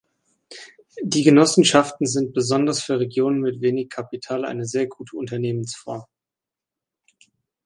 Die Genossenschaften sind besonders für Regionen mit wenig Kapital eine sehr gute Unternehmensform.